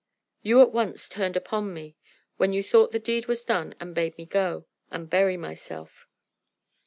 You at once turned upon me, when you thought the deed was done, and bade me go and bury myself.